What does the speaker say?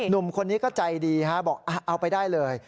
หนุ่มคนนี้ก็ใจดีบอกเอาไปได้เลย